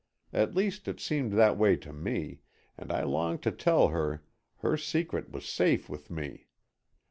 At least it seemed that way to me, and I longed to tell her her secret was safe with me.